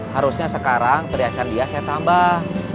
harusnya sekarang perhiasan dia saya tambah